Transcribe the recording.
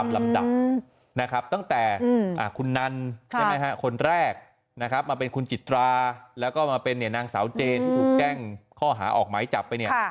ลำดับนะครับตั้งแต่คุณนันคนแรกนะครับมาเป็นคุณจิตราแล้วก็มาเป็นนางสาวเจนที่ถูกแจ้งข้อหาออกหมายจับไปเนี่ย